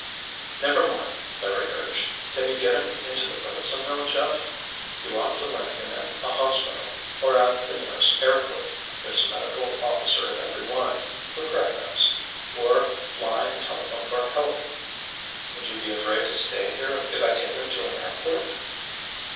"Never mind," Larry urged. "Can you get him into the boat, somehow, Jeff? You ought to land him at a hospital—or at the nearest airport. There's a medical officer at every one—for crack ups. Or, fly and telephone for help!" "Would you be afraid to stay here if I take him to an airport?"